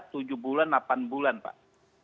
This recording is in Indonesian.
itu bisa tujuh bulan delapan bulan pak